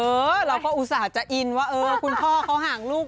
เออเราก็อุตส่าห์จะอินว่าเออคุณพ่อเขาห่างลูก